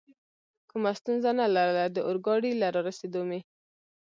کومه ستونزه نه لرله، د اورګاډي له رارسېدو مې.